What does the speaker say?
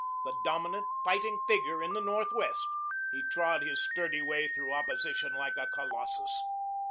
The dominant, fighting figure in the Northwest, he trod his sturdy way through opposition like a Colossus.